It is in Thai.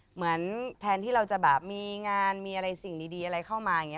เหมือนแทนที่เราจะแบบมีงานมีอะไรสิ่งดีอะไรเข้ามาอย่างนี้